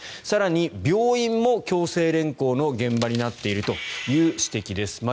更に病院も強制連行の現場になっているという指摘です。